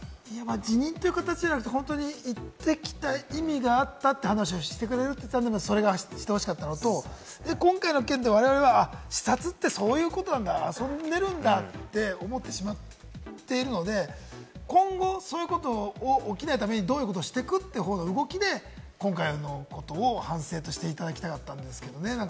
辞任という形ではなくて、行ってきた意味があったって話をしてくれるって、それをしてほしかったのと、今回の件で、我々は視察ってそういうことなんだ、遊んでるんだって思ってしまっているので、今後そういうことを起きないためにどういうことをしていくという方の動きで、今回のことを反省としていただきたかったんですけれどもね。